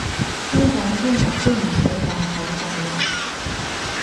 香港聽日都唔使戴口罩嘞！